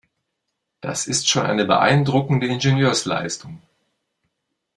Das ist schon eine beeindruckende Ingenieursleistung.